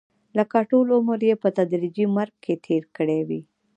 لکه ټول عمر یې په تدریجي مرګ کې تېر کړی وي.